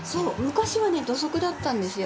昔は土足だったんですよ。